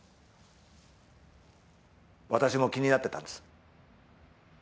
私も気になってたんです。